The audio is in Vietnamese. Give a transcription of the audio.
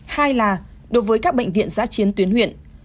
hai là đối với các bệnh viện giã chiến tuyến huyện